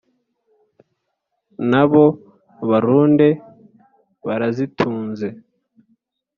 Na bo barunde barazitunze!